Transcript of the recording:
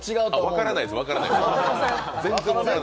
あ、分からないです分からないです。